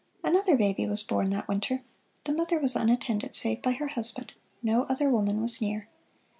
Another baby was born that winter. The mother was unattended, save by her husband no other woman was near.